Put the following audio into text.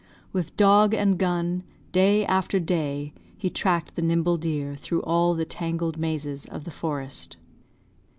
With dog and gun, Day after day he track'd the nimble deer Through all the tangled mazes of the forest."